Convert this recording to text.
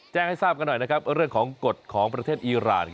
แจ้งให้ทราบกันหน่อยนะครับเรื่องของกฎของประเทศอีราน